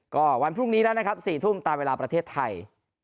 ก็วันพรุ่งนี้แล้วนะครับ๔ทุ่มตามเวลาประเทศไทย